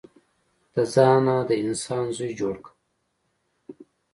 د ځانه د انسان زوی جوړ که.